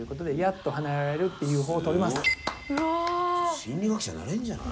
心理学者なれんじゃない？